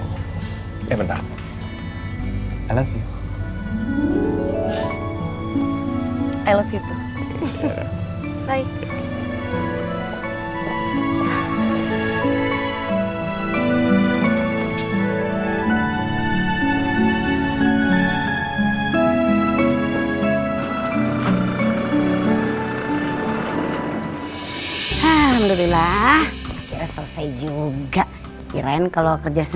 kapan dia pulang ke jakarta ya